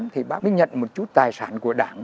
thì bác mới nhận một chút tài sản của đảng